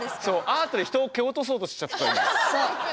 アートで人を蹴落とそうとしちゃってた今。